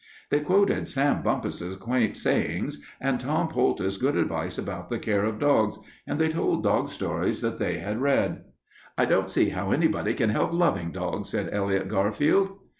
They quoted Sam Bumpus's quaint sayings and Tom Poultice's good advice about the care of dogs, and they told dog stories that they had read. "I don't see how anybody can help loving dogs," said Elliot Garfield.